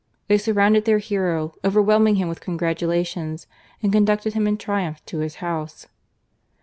They surrounded their hero, overwhelming him with congratulations and conducted him in triumph to his house.